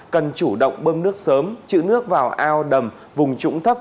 cần chủ động bơm nước sớm chữ nước vào ao đầm vùng trũng thấp